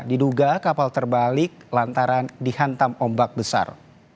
diduga kapal terbalik lantaran dihantam ombak besar